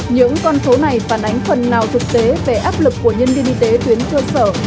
những con số này phản ánh phần nào thực tế về áp lực của nhân viên y tế tuyến cơ sở